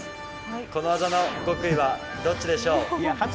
この技の極意はどっちでしょう？